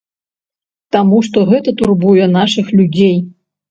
Таму што гэта турбуе нашых людзей.